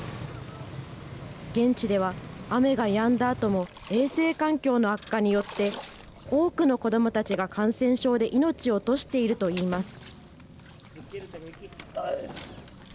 現地では雨がやんだあとも衛生環境の悪化によって多くの子どもたちが感染症で命を落としているといいます。